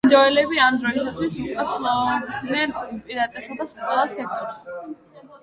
ინდოელები ამ დროისათვის უკვე ფლობდნენ უპირატესობას ყველა სექტორში.